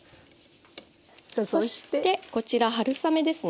そしてこちら春雨ですね。